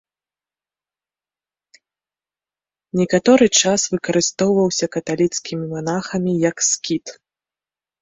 Некаторы час выкарыстоўваўся каталіцкімі манахамі як скіт.